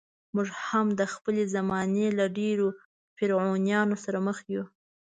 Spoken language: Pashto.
موږ هم د خپلې زمانې له ډېرو فرعونانو سره مخ یو.